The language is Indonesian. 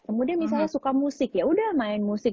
kemudian misalnya suka musik ya udah main musik